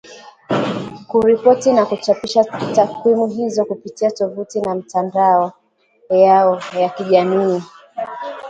kuripoti na kuchapisha takwimu hizo kupitia tovuti na mitandao yao ya kijamii